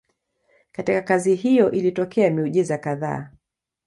Katika kazi hiyo ilitokea miujiza kadhaa.